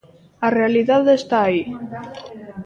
A realidade está aí.